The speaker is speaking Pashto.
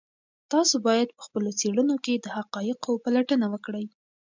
تاسو باید په خپلو څېړنو کې د حقایقو پلټنه وکړئ.